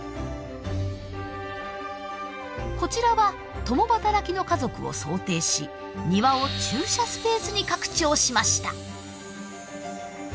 こちらは共働きの家族を想定し庭を駐車スペースに拡張しました。